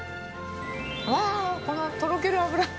わあー、このとろける脂。